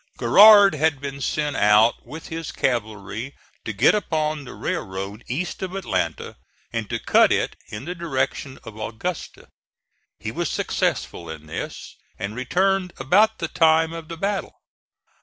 Garrard had been sent out with his cavalry to get upon the railroad east of Atlanta and to cut it in the direction of Augusta. He was successful in this, and returned about the time of the battle.